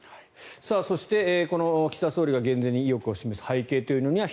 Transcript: そして岸田総理が減税に意欲を示す背景には